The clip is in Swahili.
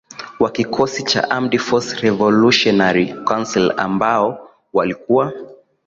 wa kikosi cha Armed Forces Revolutionary Coucil ambao walikuwa